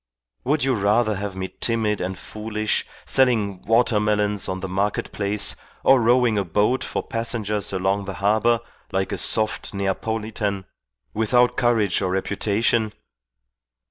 Would you rather have me timid and foolish, selling water melons on the market place or rowing a boat for passengers along the harbour, like a soft Neapolitan without courage or reputation?